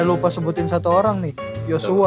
lupa sebutin satu orang nih joshua